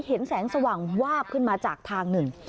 เห็นแสงสว่างวาบขึ้นมาจากทางหนึ่ง